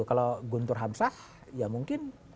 kalau guntur hamsah ya mungkin